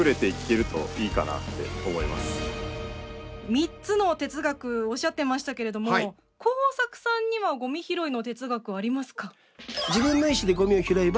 ３つの哲学おっしゃってましたけれどもＫＯＵＳＡＫＵさんにはごみ拾いの哲学ありますか？